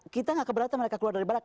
kita gak keberatan mereka keluar dari barat